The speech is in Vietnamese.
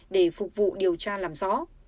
để phục vụ điều tra làm rõ